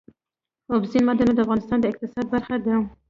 اوبزین معدنونه د افغانستان د اقتصاد برخه ده.